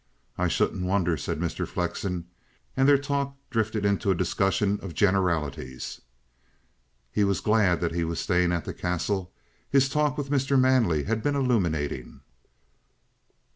"I shouldn't wonder," said Mr. Flexen; and their talk drifted into a discussion of generalities. He was glad that he was staying at the Castle. His talk with Mr. Manley had been illuminating.